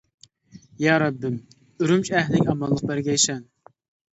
يا رەببىم، ئۈرۈمچى ئەھلىگە ئامانلىق بەرگەيسەن!